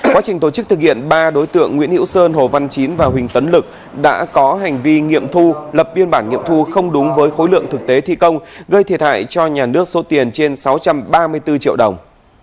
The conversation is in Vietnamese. quá trình tổ chức thực hiện ba đối tượng nguyễn hữu sơn hồ văn chín và huỳnh tấn lực đã có hành vi nghiệm thu lập biên bản nghiệm thu không đúng với khối lượng thực tế thi công gây thiệt hại cho nhà nước số tiền trên sáu trăm ba mươi bốn triệu đồng